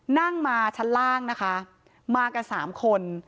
นั่งมาชั้นล่างนะคะมากันสามคน